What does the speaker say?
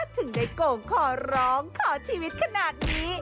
ถึงได้โก่งขอร้องขอชีวิตขนาดนี้